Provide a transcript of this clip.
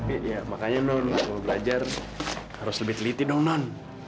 iya makanya non mau belajar harus lebih teliti dong non